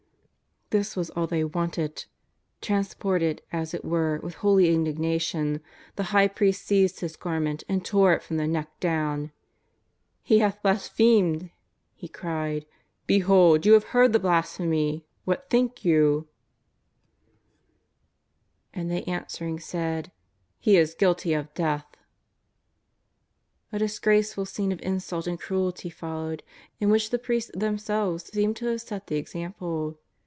This was all they wanted. Transported, as it were, with holy indignation, the High priest seized His gar ment and tore it from the neck dowTi. "He hath blasphemed!" he cried; "behold, you have heard the blasphemy ; what think you ?" JESUS OF NAZARETH. 341 And they answering said :" He is guilty of death.^' A disgraceful scene of insult and cruelty followed, in which the priests themselves seem to have set the example.